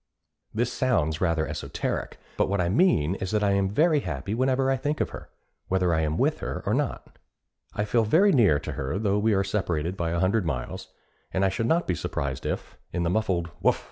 This sounds rather esoteric, but what I mean is that I am very happy whenever I think of her, whether I am with her or not. I feel very near her though we are separated by a hundred miles; and I should not be surprised if, in the muffled 'Woof!